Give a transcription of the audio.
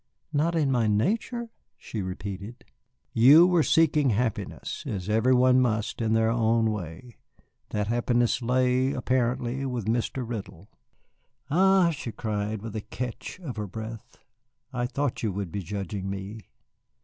"Not in my nature?" she repeated. "You were seeking happiness, as every one must in their own way. That happiness lay, apparently, with Mr. Riddle." "Ah," she cried, with a catch of her breath, "I thought you would be judging me."